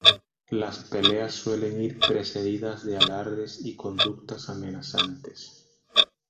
Las peleas suelen ir precedidas de alardes y conductas amenazantes.